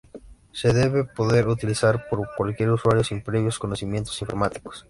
Se debe poder utilizar por cualquier usuario sin previos conocimientos informáticos.